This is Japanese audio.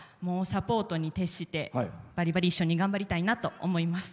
サポートに徹してばりばり一緒に頑張りたいと思います。